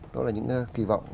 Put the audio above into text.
đó là những kỳ vọng